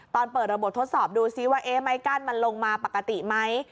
เปิดระบบทดสอบดูซิว่าไม้กั้นมันลงมาปกติไหม